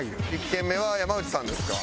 １軒目は山内さんですか？